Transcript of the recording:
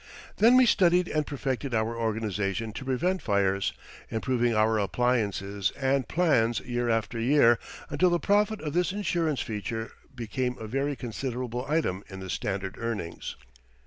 Then we studied and perfected our organization to prevent fires, improving our appliances and plans year after year until the profit on this insurance feature became a very considerable item in the Standard earnings.